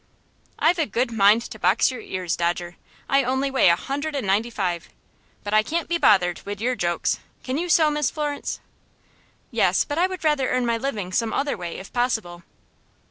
"I've a good mind to box your ears, Dodger. I only weigh a hundred and ninety five. But I can't be bothered wid your jokes. Can you sew, Miss Florence?" "Yes; but I would rather earn my living some other way, if possible."